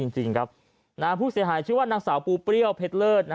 จริงครับผู้เสียหายชื่อว่านางสาวปูเปรี้ยวเพชรเลิศ